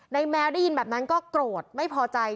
แมวได้ยินแบบนั้นก็โกรธไม่พอใจ